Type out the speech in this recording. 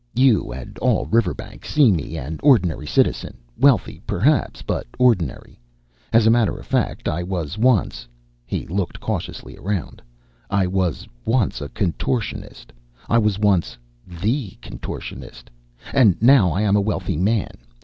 You and all Riverbank see in me an ordinary citizen, wealthy, perhaps, but ordinary. As a matter of fact, I was once" he looked cautiously around "I was once a contortionist. I was once the contortionist. And now I am a wealthy man.